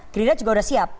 gerindra juga sudah siap